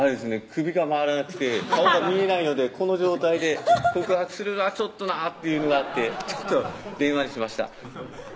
首が回らなくて顔が見えないのでこの状態で告白するのはちょっとなっていうのがあってちょっと電話にしました